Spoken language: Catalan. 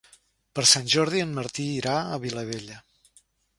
Per Sant Jordi en Martí irà a Vilabella.